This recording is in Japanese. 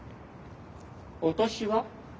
お年は？